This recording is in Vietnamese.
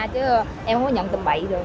chứ em không có nhận tầm bậy được